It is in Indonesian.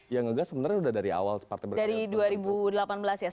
ya ngegas sebenarnya udah dari awal partai berkarya